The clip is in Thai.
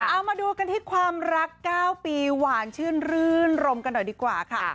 เอามาดูกันที่ความรัก๙ปีหวานชื่นรื่นรมกันหน่อยดีกว่าค่ะ